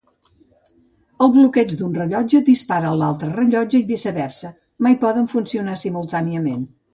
El bloqueig d'un rellotge dispara l'altre rellotge i viceversa, mai poden funcionar simultàniament.